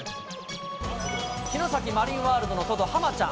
城崎マリンワールドのトド、ハマちゃん。